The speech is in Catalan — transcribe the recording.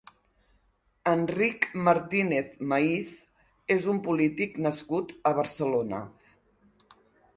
Enric Martínez Maíz és un polític nascut a Barcelona.